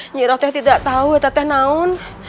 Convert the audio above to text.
nyirah tak tahu tante naun